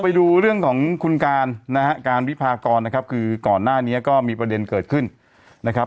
ไปดูเรื่องของคุณการนะฮะการวิพากรนะครับคือก่อนหน้านี้ก็มีประเด็นเกิดขึ้นนะครับ